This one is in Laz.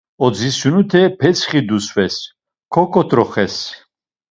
Oditsinute petsxi dusves, koǩot̆roxes.